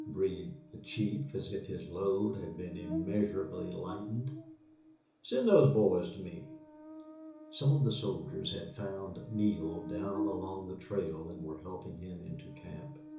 breathed the chief, as if his load had been immeasurably lightened. "Send those boys to me." Some of the soldiers had found Neale down along the trail and were helping him into camp.